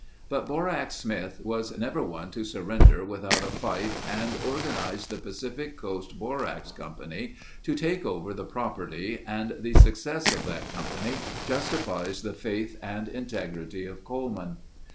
But Borax Smith was never one to surrender without a fight and organized the Pacific Coast Borax Company to take over the property and the success of that company justifies the faith and the integrity of Coleman.